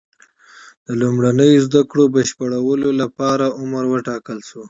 د لومړنیو زده کړو بشپړولو لپاره عمر وټاکل شو.